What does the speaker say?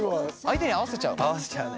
相手に合わせちゃう？